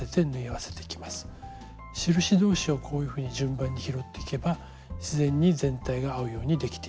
印同士をこういうふうに順番に拾っていけば自然に全体が合うようにできています。